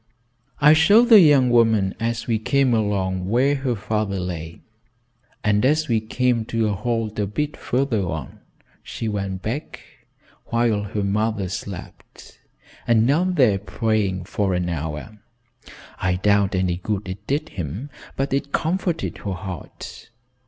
"I showed the young woman as we came along where her father lay, and as we came to a halt a bit farther on, she went back, while her mother slept, and knelt there praying for an hour. I doubt any good it did him, but it comforted her heart.